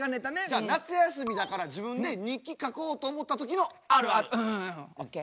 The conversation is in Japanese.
じゃあ夏休みだから自分で日記書こうと思った時のあるある。ＯＫ。